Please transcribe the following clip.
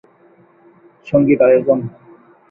সংগীত আয়োজন!